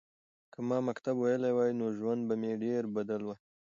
که ما مکتب ویلی وای نو ژوند به مې ډېر بدل وای.